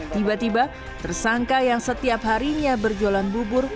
tiba tiba tersangka yang setiap harinya berjualan bubur